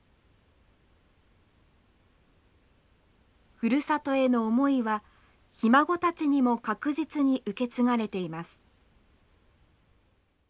ふるさとへの思いはひ孫たちにも確実に受け継がれています。